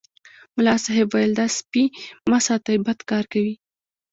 ملا صاحب ویل دا سپي مه ساتئ بد کار کوي.